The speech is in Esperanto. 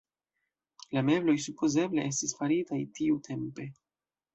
La mebloj supozeble estis faritaj tiutempe.